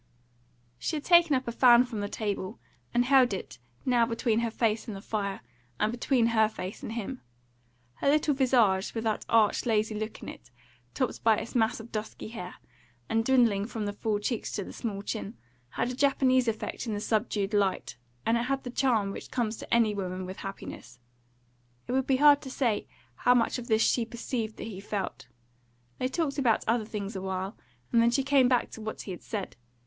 She had taken up a fan from the table, and held it, now between her face and the fire, and now between her face and him. Her little visage, with that arch, lazy look in it, topped by its mass of dusky hair, and dwindling from the full cheeks to the small chin, had a Japanese effect in the subdued light, and it had the charm which comes to any woman with happiness. It would be hard to say how much of this she perceived that he felt. They talked about other things a while, and then she came back to what he had said.